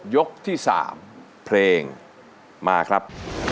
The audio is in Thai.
ยกที่๓เพลงมาครับ